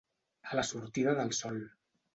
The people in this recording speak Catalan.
A la sortida del sol.